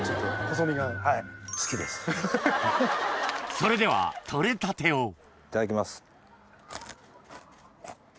それでは取れたてをいただきます。